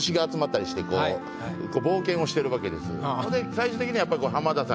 最終的には。